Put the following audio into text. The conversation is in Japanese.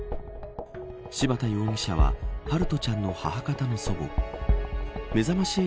柴田容疑者は陽翔ちゃんの母方の祖母。